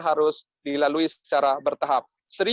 harus dilalui secara bertahap